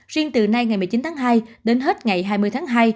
riêng từ nay ngày một mươi chín tháng hai đến hết ngày hai mươi tháng hai